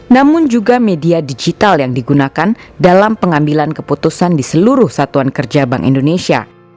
namun juga media digital yang digunakan dalam pengambilan keputusan di seluruh satuan kerja bank indonesia